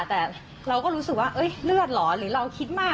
แต่เราก็รู้สึกว่าเลือดเหรอหรือเราคิดมาก